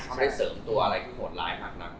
เขาได้เสริมตัวอะไรคือโหดหลายมากนั้น